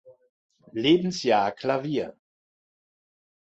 Lebensjahr Klavier.